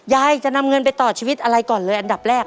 ยายจะนำเงินไปต่อชีวิตอะไรก่อนเลยอันดับแรก